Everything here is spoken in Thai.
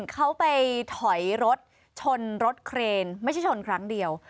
เขาไปถอยรถชนรถเครนไม่ใช่ชนครั้งเดียว